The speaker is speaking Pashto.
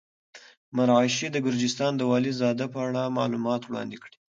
مرعشي د ګرجستان د والي زاده په اړه معلومات وړاندې کړي.